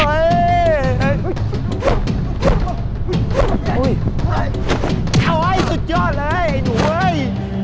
เอาไว้สุดยอดเลยหนูเว้ย